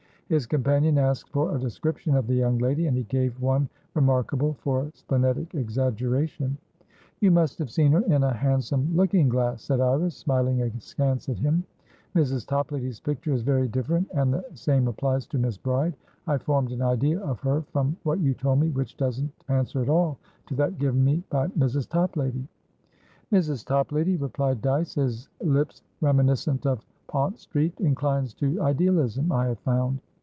His companion asked for a description of the young lady, and he gave one remarkable for splenetic exaggeration. "You must have seen her in a hansom looking glass," said Iris, smiling askance at him. "Mrs. Toplady's picture is very different. And the same applies to Miss Bride; I formed an idea of her from what you told me which doesn't answer at all to that given me by Mrs. Toplady." "Mrs. Toplady," replied Dyce, his lips reminiscent of Pont Street, "inclines to idealism, I have found.